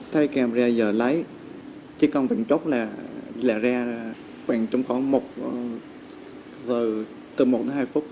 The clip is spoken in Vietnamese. trong vận chốc là ra khoảng trong khoảng một giờ từ một đến hai phút